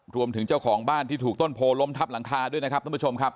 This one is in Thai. เจ้าของบ้านที่ถูกต้นโพล้มทับหลังคาด้วยนะครับท่านผู้ชมครับ